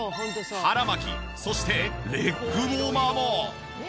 腹巻きそしてレッグウォーマーも！